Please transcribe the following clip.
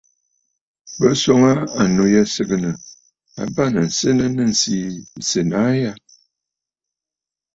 Bɨ swoŋə aa annu yî sɨgɨ̀ǹə̀ ò bâŋnə̀ senə nɨ̂ ǹsî sènə̀ aa a ya?